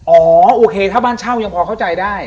โอเคถ้าบ้านเช่ายังพอเข้าใจได้